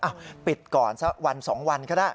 อ้าวปิดก่อนซะวัน๒วันก็ได้